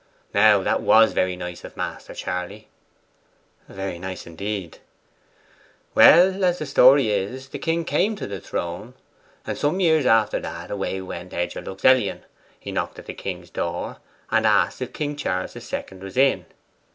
Now, that was very nice of Master Charley?' 'Very nice indeed.' 'Well, as the story is, the king came to the throne; and some years after that, away went Hedger Luxellian, knocked at the king's door, and asked if King Charles the Second was in.